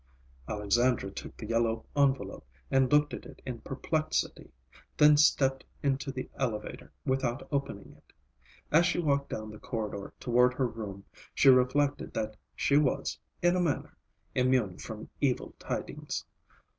Alexandra took the yellow envelope and looked at it in perplexity, then stepped into the elevator without opening it. As she walked down the corridor toward her room, she reflected that she was, in a manner, immune from evil tidings.